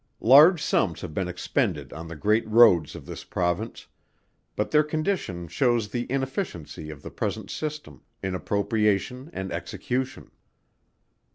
Large sums have been expended on the Great Roads of this Province; but their condition shows the inefficiency of the present system, in appropriation and execution.